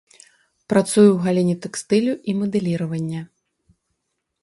Працуе ў галіне тэкстылю і мадэліравання.